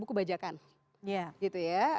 buku bajakan gitu ya